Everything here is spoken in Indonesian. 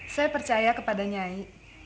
saya percaya kepada nyai